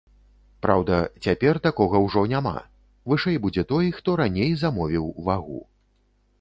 Праўда, цяпер такога ўжо няма, вышэй будзе той, хто раней замовіў вагу.